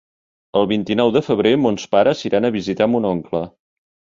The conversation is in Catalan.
El vint-i-nou de febrer mons pares iran a visitar mon oncle.